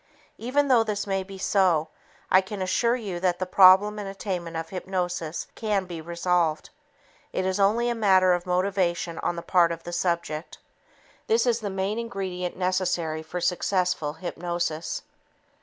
Even though this may be so, I can assure you that the problem and attainment of hypnosis can be resolved. It is only a matter of motivation on the part of the subject. This is the main ingredient necessary for successful hypnosis.